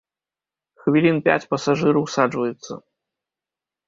Хвілін пяць пасажыры ўсаджваюцца.